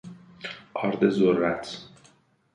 آرد ذرت